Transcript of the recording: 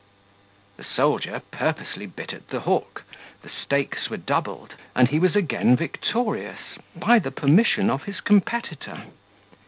The soldier purposely bit at the hook, the stakes were doubled, and he was again victorious, by the permission of his competitor.